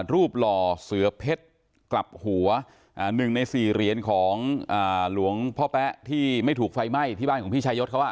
หล่อเสือเพชรกลับหัว๑ใน๔เหรียญของหลวงพ่อแป๊ะที่ไม่ถูกไฟไหม้ที่บ้านของพี่ชายศเขา